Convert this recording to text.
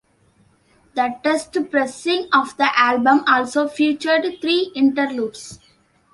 The test pressing of the album also featured three interludes.